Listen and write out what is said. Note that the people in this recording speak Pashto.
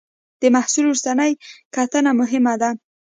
د محصول وروستۍ کتنه مهمه ده.